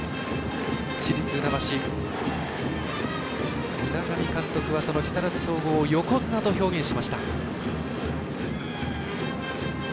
市立船橋海上監督は木更津総合を横綱と表現しました。